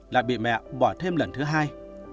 lại bị mẹ bỏ thêm lần thứ hai